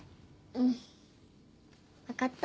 うん分かった。